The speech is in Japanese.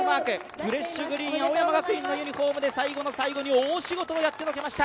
フレッシュグリーン、青山学院のユニフォームで最後の最後に大仕事をやってのけました。